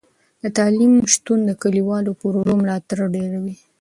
د تعلیم شتون د کلیوالو پروژو ملاتړ ډیروي.